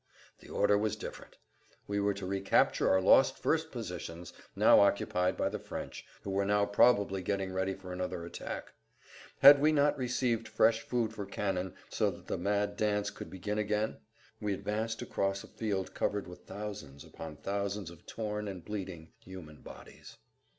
The order was different. We were to recapture our lost first positions, now occupied by the French, who were now probably getting ready for another attack. Had we not received fresh food for cannon so that the mad dance could begin again? We advanced across a field covered with thousands upon thousands of torn and bleeding human bodies.